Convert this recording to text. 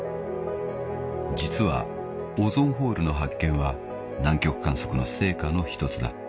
［実はオゾンホールの発見は南極観測の成果の一つだ］